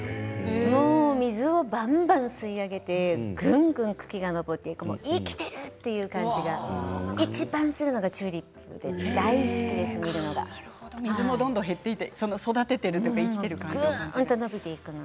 水をばんばん吸い上げてぐんぐん茎が上っていく生きているという感じがいちばんするのがチューリップ水もどんどん減っていって育てているというか生きているというか。